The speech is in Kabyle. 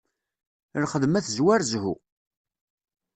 Lxedma tezwar zzhu.